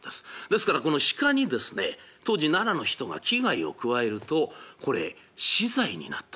ですからこの鹿にですね当時奈良の人が危害を加えるとこれ死罪になったという。